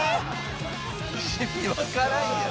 意味わからんやん。